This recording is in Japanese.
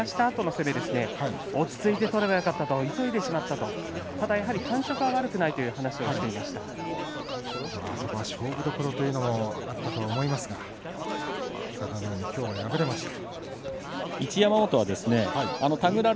いなしたあとの攻め落ち着いて取ればよかった急いでしまったただ感触は悪くないとあそこは勝負どころというのもあったかもしれませんが佐田の海きょう敗れました。